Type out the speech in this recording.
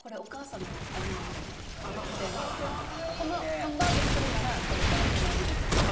「ハンバーグ作るならこれからこの味で作ってね」。